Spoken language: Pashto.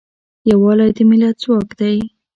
یوالی د ملت ځواک دی.